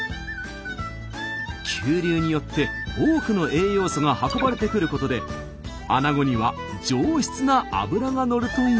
急流によって多くの栄養素が運ばれてくることであなごには上質な脂がのるといいます。